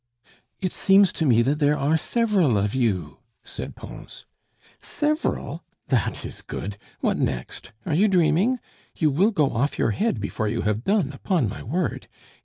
"It seems to me that there are several of you," said Pons. "Several? that is good! What next! Are you dreaming! You will go off your head before you have done, upon my word!